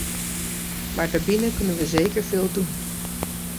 Maar daarbinnen kunnen we zeker veel doen.